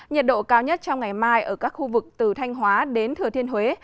nhiệt độ cao nhất trong ngày mai ở các khu vực từ thanh hóa đến thừa thiên huế